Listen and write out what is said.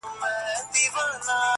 لا یې ساړه دي د برګونو سیوري٫